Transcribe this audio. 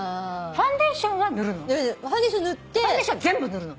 ファンデーションは全部塗るの？